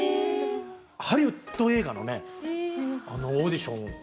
ハリウッド映画のねオーディションを。